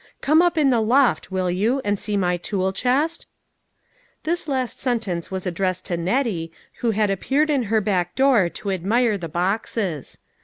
Come up in the loft, will you, and see my tool chest ?" This last sentence waa addressed to Nettie who had appeared in her back door to admire the boxes.